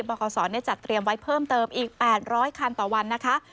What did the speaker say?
คศจัดเตรียมไว้เพิ่มเติมอีก๘๐๐คันต่อวันนะคะ